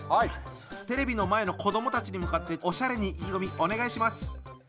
テレビの前の子どもたちに向かっておしゃれに意気込みお願いします。